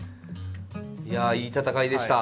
いやいい戦いでした。